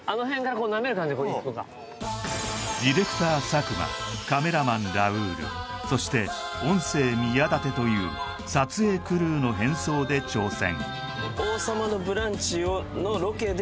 ディレクター佐久間カメラマンラウールそして音声宮舘という撮影クルーの変装で挑戦